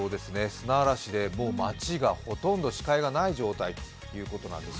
砂嵐で町がほとんど視界がない状態ということです。